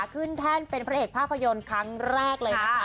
แท่นเป็นพระเอกภาพยนตร์ครั้งแรกเลยนะคะ